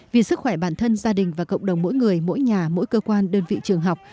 vì sức khỏe bản thân gia đình và cộng đồng mỗi người mỗi nhà mỗi cơ quan đơn vị trường học